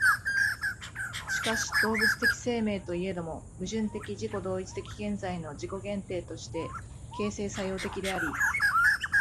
しかし動物的生命といえども、矛盾的自己同一的現在の自己限定として形成作用的であり、